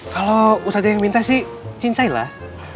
kalau ustadz aja yang minta sih cincai lah